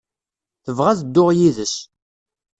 Tebɣa ad dduɣ yid-s.